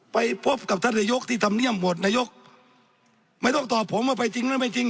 ไปพบกับท่านนายกที่ธรรมเนียมโหวตนายกไม่ต้องตอบผมว่าไปจริงหรือไม่จริง